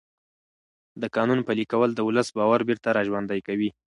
د قانون پلي کول د ولس باور بېرته راژوندی کوي